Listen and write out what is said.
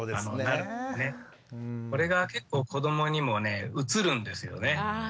これが結構子どもにも移るんですよね。